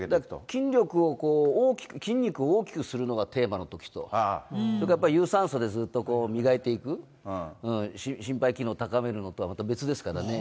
筋力を、筋肉を大きくするのがテーマのときと、それから、やっぱり有酸素でずっと磨いていく、心肺機能高めるのとはまた別ですからね。